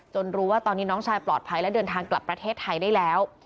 รู้ว่าตอนนี้น้องชายปลอดภัยและเดินทางกลับประเทศไทยได้แล้ว